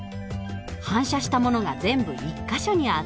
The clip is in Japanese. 反射したものが全部１か所に集まる。